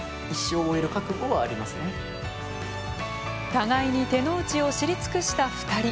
互いに手の内を知り尽くした２人。